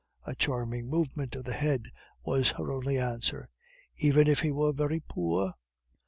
A charming movement of the head was her only answer. "Even if he were very poor?"